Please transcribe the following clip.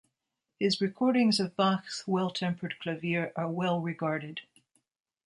His recordings of Bach's Well Tempered Clavier are well regarded.